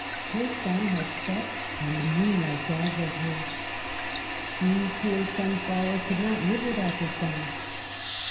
Her sun had set, and the moonlight dazzled her. She, poor sunflower, could not live without the sun.